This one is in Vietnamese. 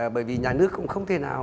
bởi vì nhà nước cũng không thể nào